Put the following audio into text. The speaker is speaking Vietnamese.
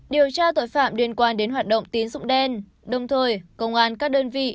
điều tra tội phạm liên quan đến hoạt động tín dụng đen đồng thời công an các đơn vị